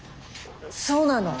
そうなの。